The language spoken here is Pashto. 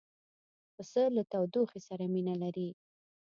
پسه له تودوخې سره مینه لري.